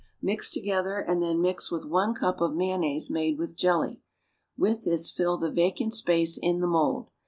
Mix together and then mix with one cup of mayonnaise made with jelly; with this fill the vacant space in the mould.